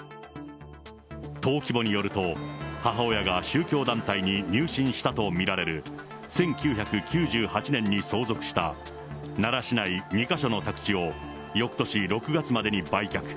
登記簿によると、母親が宗教団体に入信したと見られる１９９８年に相続した奈良市内２か所の宅地をよくとし６月までに売却。